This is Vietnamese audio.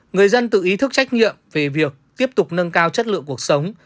người dân tự ý thức trách nhiệm về việc tiếp tục nâng cao chất lượng cuộc sống